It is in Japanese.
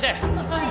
はい！